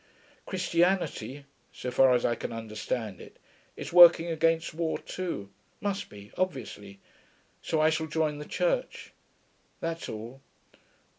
Christianity, so far as I can understand it, is working against war too; must be, obviously. So I shall join the Church.... That's all.'